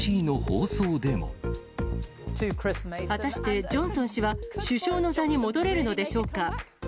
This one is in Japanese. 果たしてジョンソン氏は首相の座に戻れるのでしょうか。